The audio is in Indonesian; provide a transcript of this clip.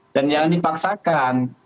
dan jangan dipaksakan